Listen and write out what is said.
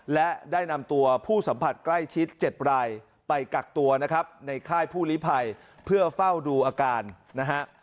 และได้นำตัวผู้สัมผัสใกล้ชิด๗รายไปกักตัวนะครับในค่ายผู้ลิภัยเพื่อเฝ้าดูอาการนะฮะ